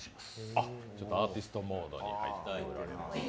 アーティストモードに入っておられます。